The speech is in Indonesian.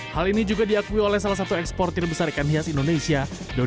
hal ini juga diakui oleh salah satu ekspor tir besar ikan hias indonesia dodi timur